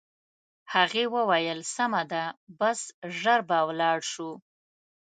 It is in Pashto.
هغې وویل: سمه ده، بس ژر به ولاړ شو.